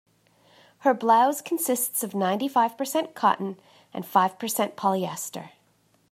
Her blouse consists of ninety-five percent cotton and five percent polyester.